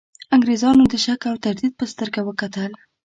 انګرېزانو د شک او تردید په سترګه وکتل.